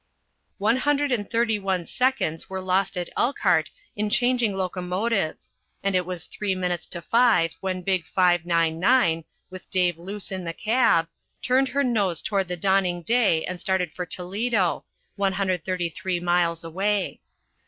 ] One hundred and thirty one seconds were lost at Elkhart in changing locomotives, and it was three minutes to five when big 599, with Dave Luce in the cab, turned her nose toward the dawning day and started for Toledo, 133 miles away.